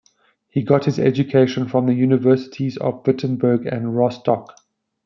He got his education from the Universities of Wittenberg and Rostock.